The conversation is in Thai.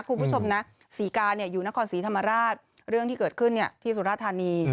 คุณผู้ชมนะศรีกาอยู่นครศรีธรรมราชเรื่องที่เกิดขึ้นที่สุราธานี